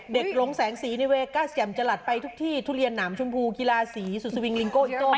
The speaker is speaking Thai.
หลงแสงสีในเวกัสแจ่มจรัสไปทุกที่ทุเรียนหนามชมพูกีฬาศรีสุดสวิงลิงโก้อิโต้